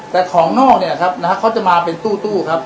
แต่ของนอกเนี่ยครับนะฮะเขาจะมาเป็นตู้ครับ